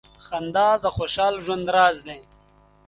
• خندا د خوشال ژوند راز دی.